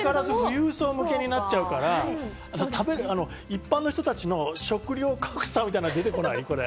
富裕層向けになっちゃうから、一般の人たちの食料格差みたいなの出てこない？